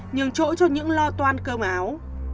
nhường chỗ cho những lo toan cơm áo